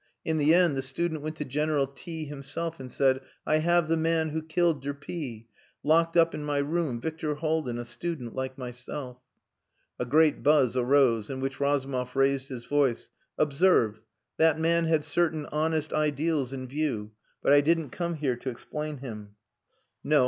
In the end the student went to General T himself, and said, 'I have the man who killed de P locked up in my room, Victor Haldin a student like myself.'" A great buzz arose, in which Razumov raised his voice. "Observe that man had certain honest ideals in view. But I didn't come here to explain him." "No.